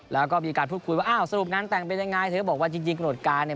แล้วก็มีการพูดคุยว่าอ้าวสรุปงานแต่งเป็นยังไงเธอก็บอกว่าจริงหนวดการเนี่ย